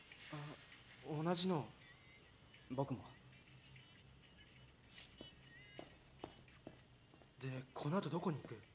同じのを僕もでこのあとどこに行く？